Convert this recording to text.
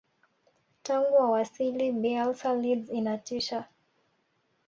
tangu awasili bielsa leeds inatisha